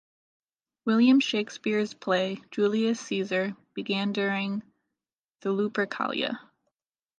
William Shakespeare's play "Julius Caesar" begins during the Lupercalia.